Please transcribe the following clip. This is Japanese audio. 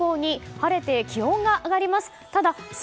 晴れて気温が上がります。